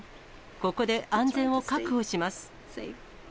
ここで安全を確保します。